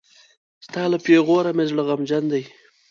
ستا له پېغوره مې زړه غمجن دی.